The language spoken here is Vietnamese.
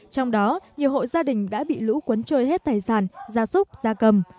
trong đó nhiều hộ gia đình đã bị lũ cuốn trôi hết tài sản gia súc gia cầm